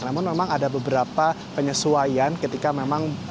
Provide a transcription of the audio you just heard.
namun memang ada beberapa penyesuaian ketika memang